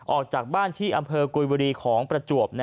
ออกจากบ้านที่อำเภอกุยบุรีของประจวบ